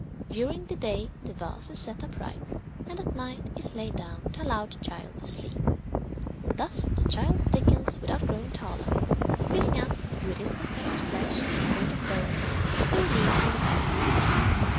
During the day the vase is set upright, and at night is laid down to allow the child to sleep. Thus the child thickens without growing taller, filling up with his compressed flesh and distorted bones the reliefs in the vase.